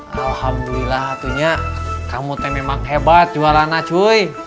alhamdulillah hatunya kamu tuh memang hebat jualannya cuy